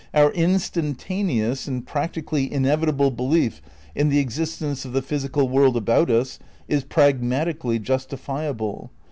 "Our instantaneous (and practically inevitable) belief in the existence of the physical world about us is pragmatically justifiable.